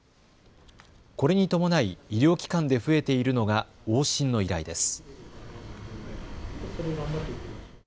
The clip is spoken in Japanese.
これに伴い医療機関で増えているのが往診の依頼です。